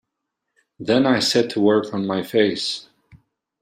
Then I set to work on my face.